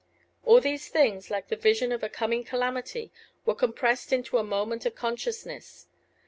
All these things, like the vision of a coming calamity, were compressed into a moment of consciousness.